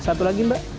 satu lagi mbak